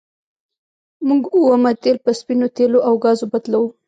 موږ اومه تیل په سپینو تیلو او ګازو بدلوو.